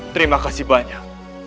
terima kasih banyak